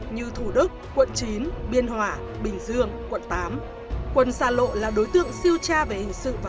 như thủ đức quận chín biên hòa bình dương quận tám quận xa lộ là đối tượng siêu tra về hình sự và